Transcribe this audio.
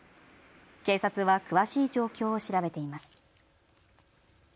警察は詳しい状況を調べています。